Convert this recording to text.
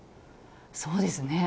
そうですね。